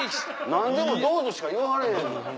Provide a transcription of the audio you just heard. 何でも「どうぞ」しか言われへん。